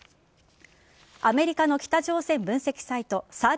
アメリカの北朝鮮分析サイト３８